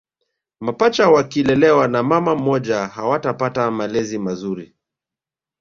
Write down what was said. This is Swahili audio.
Mapacha wakilelewa na mama mmoja hawatapata malezi mazuri